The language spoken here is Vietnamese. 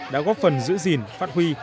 đã góp phần giữ gìn phát huy